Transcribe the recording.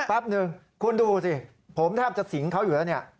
แป๊บหนึ่งคุณดูสิผมแทบจะสิงเขาอยู่แล้วเนี่ย